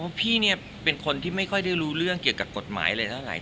พี่เนี่ยเป็นคนที่ไม่ค่อยได้รู้เรื่องเกี่ยวกับกฎหมายเลยเท่าไหร